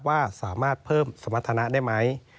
ว่าสามารถเพิ่มสมรรถนะได้ไหม